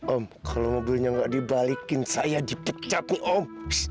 om kalau mobilnya nggak dibalikin saya dipecat nih om